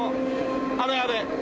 あれあれ！